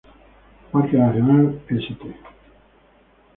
Parque nacional St.